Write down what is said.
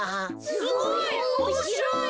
すごいおもしろい。